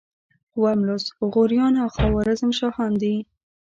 اووم لوست غوریان او خوارزم شاهان دي.